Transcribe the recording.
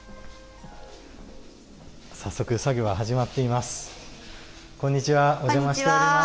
早速作業が始まっています。